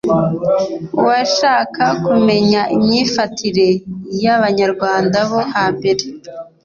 Uwashaka kumenya imyifatire y'Abanyarwanda bo hambere,